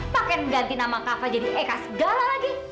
pakai mengganti nama kafa jadi eka segala lagi